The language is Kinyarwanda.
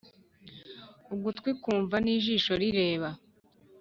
ugutwi kumva n’ijisho rireba,